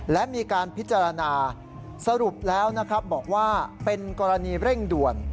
และมีการพิจารณาสรุปแล้วนะครับบอกว่าเป็นกรณีเร่งด่วน